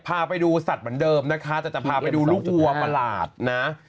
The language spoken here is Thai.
พาไปดูสัตว์เหมือนเดิมนะคะแต่จะพาไปดูลูกวัวประหลาดนะ